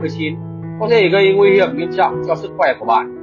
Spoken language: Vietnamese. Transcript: có thể gây nguy hiểm nghiêm trọng cho sức khỏe của bạn